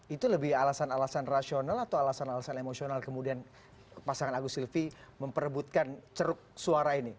itu lebih alasan alasan rasional atau alasan alasan emosional kemudian pasangan agus silvi memperebutkan ceruk suara ini